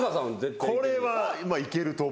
これはいけると思う。